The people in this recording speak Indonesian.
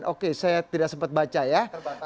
oke saya tidak sempat baca ya